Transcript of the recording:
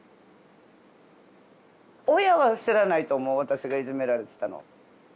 親は知らないと思う私がいじめられてたのは。